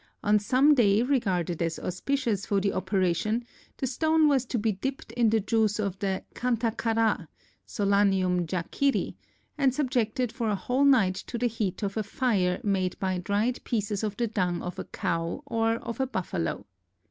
On some day regarded as auspicious for the operation, the stone was to be dipped in the juice of the kantakára (Solanum jaquiri) and subjected for a whole night to the heat of a fire made by dried pieces of the dung of a cow or of a buffalo.